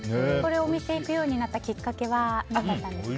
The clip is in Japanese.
お店行くようになったきっかけは何だったんですか？